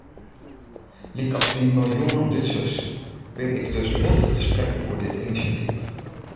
Lykas dy miljoenen Dútsers bin ik dus bot te sprekken oer dit inisjatyf.